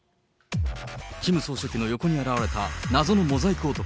キム総書記の横に現れた、謎のモザイク男。